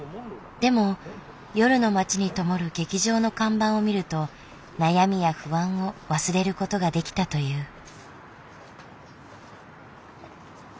でも夜の街にともる劇場の看板を見ると悩みや不安を忘れることができたという。